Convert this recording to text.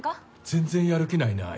全然やる気ないねん